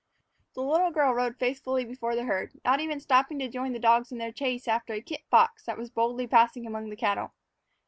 The little girl rode faithfully before the herd, not even stopping to join the dogs in their chase after a kit fox that was boldly passing among the cattle.